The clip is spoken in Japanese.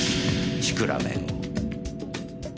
シクラメンを。